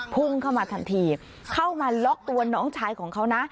พุ่งเข้ามาทันทีเข้ามาล็อกตัวน้องชายของเขานะ